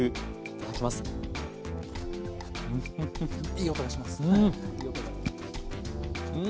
いい音がしますよね。